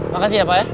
makasih ya pak ya